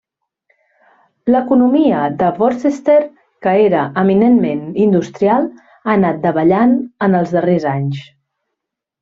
L'economia de Worcester que era, eminentment industrial, ha anat davallant en els darrers anys.